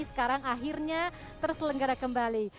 sekarang akhirnya terselenggara kembali